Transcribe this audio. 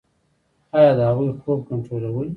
ایا د هغوی خوب کنټرولوئ؟